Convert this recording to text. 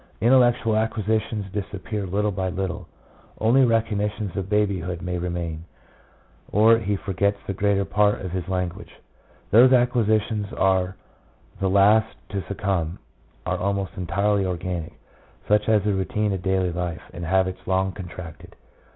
Intellectual acquisitions disappear little by little. Only recollections of baby hood may remain, or he forgets the greater part of his language. 2 Those acquisitions which are the last to succumb are almost entirely organic, such as the routine of daily life, and habits long contracted.